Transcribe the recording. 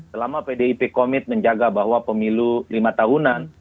selama pdip komit menjaga bahwa pemilu lima tahunan